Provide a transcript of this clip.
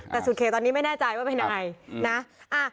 แต่สุดเคตอนนี้ไม่แน่ใจว่าไปไหนนะ